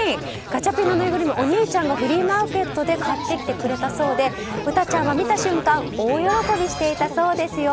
ガチャピンのぬいぐるみはお兄ちゃんがフリーマーケットで買ってきてくれたそうで詩ちゃんは見た瞬間大喜びしていたそうですよ。